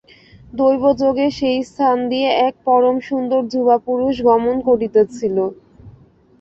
দৈবযোগে সেই স্থান দিয়া এক পরম সুন্দর যুবা পুরুষ গমন করিতেছিল।